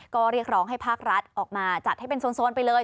ก็เรียกร้องให้ภาครัฐออกมาจัดให้เป็นโซนไปเลย